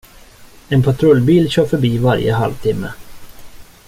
En patrullbil kör förbi varje halvtimme.